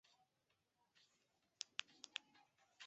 大都会铁路是世界首家修建地铁的公司。